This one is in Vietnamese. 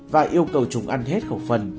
và yêu cầu chúng ăn hết khẩu phần